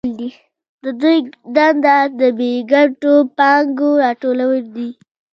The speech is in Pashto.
د دوی دنده د بې ګټو پانګو راټولول دي